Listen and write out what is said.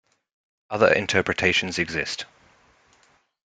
Other interpretations exist.